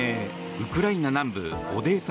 ウクライナ南部オデーサ